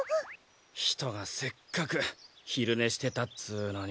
ひとがせっかくひるねしてたっつうのに。